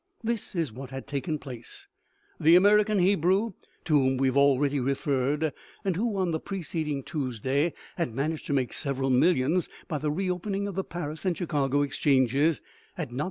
This is what had taken place. The American Hebrew, to whom we have al ready referred, and who, on the preced ing Tuesday, had managed to make sev eral millions by the reopening of the Paris and Chicago exchanges, had not "EXTRA!"